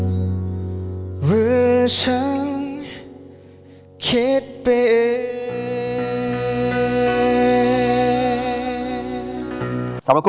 หรือฉันคิดไปเอง